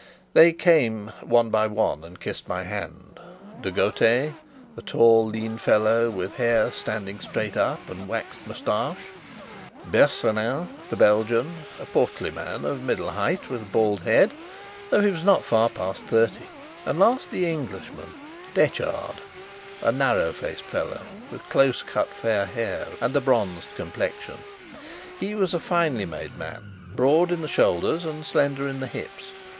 They came one by one and kissed my hand De Gautet, a tall lean fellow, with hair standing straight up and waxed moustache; Bersonin, the Belgian, a portly man of middle height with a bald head (though he was not far past thirty); and last, the Englishman, Detchard, a narrow faced fellow, with close cut fair hair and a bronzed complexion. He was a finely made man, broad in the shoulder and slender in the hips.